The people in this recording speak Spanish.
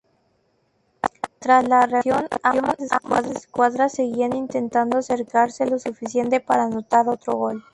Tras la reanudación, ambas escuadras seguían intentando acercarse lo suficiente para anotar otro gol.